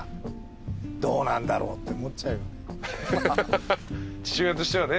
どうなんだろうって思っちゃうよね。